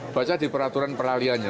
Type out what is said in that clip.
baca di peraturan peraliannya